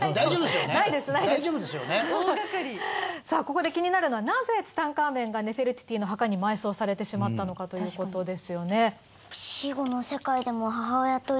さあここで気になるのはなぜツタンカーメンがネフェルティティの墓に埋葬されてしまったのかということですよね。